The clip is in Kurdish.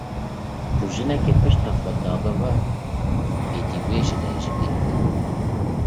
Ku jinekê pişta xwe dabe we, êdî wê jinê ji bîr bikin.